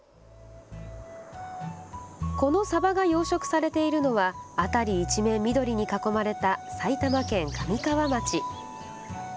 このサバが養殖されているのは辺り一面、緑に囲まれた埼玉県神川町。